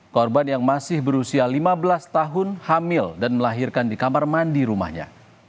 korban yang masih berusia lima belas tahun hamil dan melahirkan di kamar mandi rumahnya